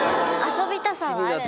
遊びたさはある。